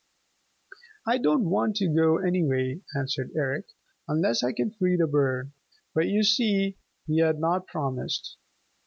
"I don't want to go anyway," answered Eric, "unless I can free the bird." But you see, he had not promised.